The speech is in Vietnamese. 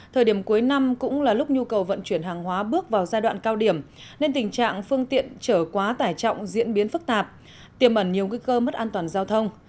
thời điểm cuối năm cũng là lúc nhu cầu vận chuyển hàng hóa bước vào giai đoạn cao điểm nên tình trạng phương tiện trở quá tải trọng diễn biến phức tạp tiềm ẩn nhiều nguy cơ mất an toàn giao thông